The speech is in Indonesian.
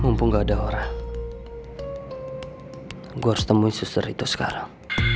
mumpung gak ada orang gue harus temuin suster itu sekarang